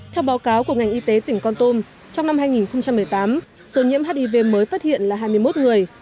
theo báo cáo của ngành y tế tỉnh con tum trong năm hai nghìn một mươi tám số nhiễm hiv mới phát hiện là hai mươi một người